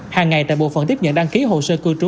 hàng ngày tại bộ phận tiếp nhận đăng ký hồ sơ cư trú